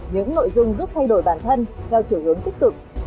những nội dung giúp thay đổi bản thân theo chiều hướng tích cực